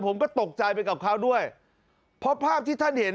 ผมก็ตกใจไปกับเขาด้วยเพราะภาพที่ท่านเห็น